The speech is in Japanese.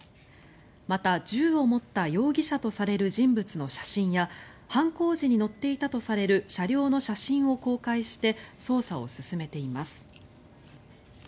また、銃を持った容疑者とされる人物の写真や犯行時に乗っていたとされる車両の写真を公開して捜査を進めています。